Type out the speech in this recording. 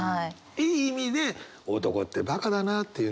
いい意味で男ってバカだなっていうね。